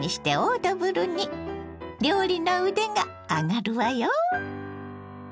料理の腕が上がるわよ。